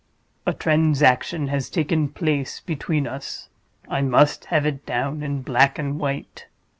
"A transaction has taken place between us. I must have it down in black and white."